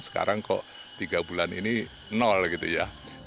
sekarang kok tiga bulan ini nol gitu ya